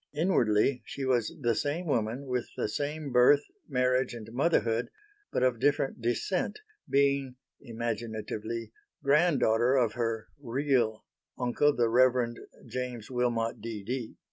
Inwardly she was the same woman with the same birth, marriage and motherhood, but of different descent being (imaginatively) grand daughter of her (real) uncle the Rev. James Wilmot D. D.